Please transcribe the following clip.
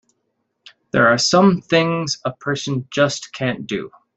There are some things a person just can't do!